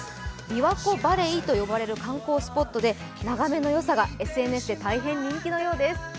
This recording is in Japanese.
びわ湖バレイと呼ばれる観光スポットで眺めのよさがＳＮＳで大変人気のようです。